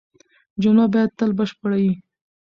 جمله باید تل بشپړه يي.